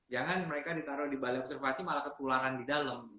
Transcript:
jangan mereka ditaruh di balai observasi malah kepulangan di dalam